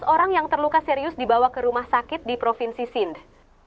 empat belas orang yang terluka serius dibawa ke rumah sakit di provinsi sinch